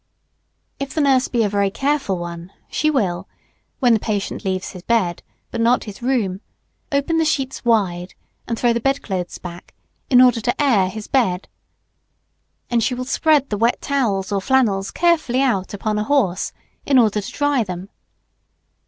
If the nurse be a very careful one, she will, when the patient leaves his bed, but not his room, open the sheets wide, and throw the bed clothes back, in order to air his bed. And she will spread the wet towels or flannels carefully out upon a horse, in order to dry them.